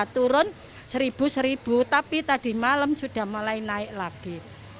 turun rp satu rp satu tapi tadi malam sudah mulai naik lagi